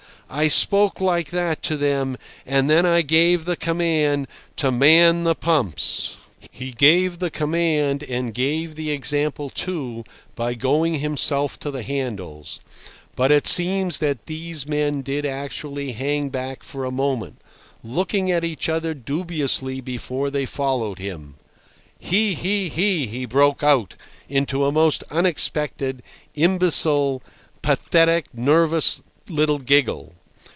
I spoke like that to them, and then I gave the command to man the pumps." He gave the command, and gave the example, too, by going himself to the handles, but it seems that these men did actually hang back for a moment, looking at each other dubiously before they followed him. "He! he! he!" He broke out into a most unexpected, imbecile, pathetic, nervous little giggle.